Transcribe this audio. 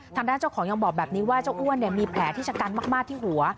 เจ้าของยังบอกแบบนี้ว่าเจ้าอ้วนมีแผลที่ชะกันมากที่หัว